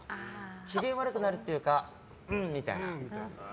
機嫌悪くなるというかうん！みたいな。